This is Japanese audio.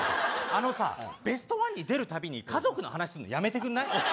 あのさベストワンに出るたびに家族の話すんのやめてくんない？